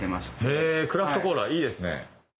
へぇクラフトコーラいいですね。